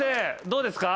どうですか？